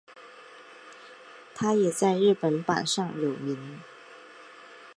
它也在日本榜上有名。